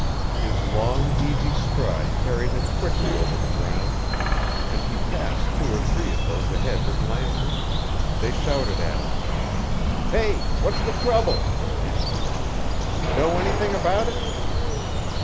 His long, easy stride carried him quickly over the ground, and he passed two or three of those ahead with lanterns. They shouted at him. "Hey, what's the trouble?" panted one. "Know anything about it?"